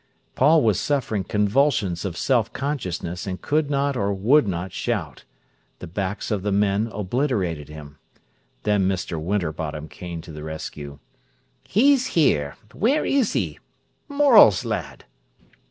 Paul was suffering convulsions of self consciousness, and could not or would not shout. The backs of the men obliterated him. Then Mr. Winterbottom came to the rescue. "He's here. Where is he? Morel's lad?"